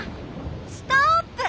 ストップ！